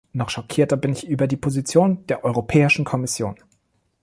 Noch schockierter bin ich über die Position der Europäischen Kommission.